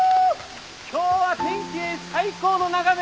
今日は天気ええし最高の眺めや！